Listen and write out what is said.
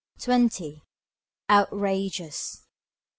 Twenty. Outrageous.